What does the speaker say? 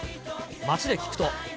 街で聞くと。